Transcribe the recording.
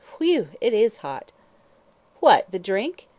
Whew, it is hot." "What, the drink?"